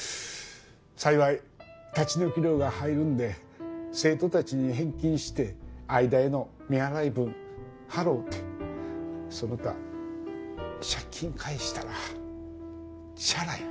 幸い立ち退き料が入るんで生徒たちに返金して相田への未払い分払うてその他借金返したらチャラや。